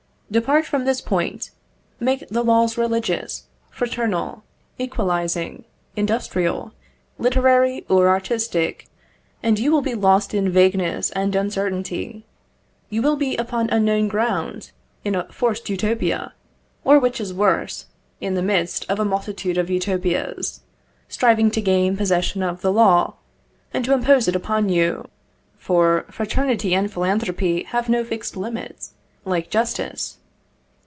Depart from this point, make the law religious, fraternal, equalising, industrial, literary, or artistic, and you will be lost in vagueness and uncertainty; you will be upon unknown ground, in a forced Utopia, or, which is worse, in the midst of a multitude of Utopias, striving to gain possession of the law, and to impose it upon you; for fraternity and philanthropy have no fixed limits, like justice.